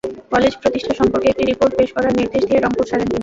College প্রতিষ্ঠা সম্পর্কে একটি রিপোর্ট পেশ করার নির্দেশ দিয়ে রংপুর ছাড়েন তিনি।